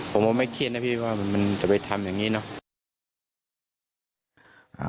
ผมก็ไม่เครียดนะพี่ว่ามันจะไปทำอย่างนี้เนาะ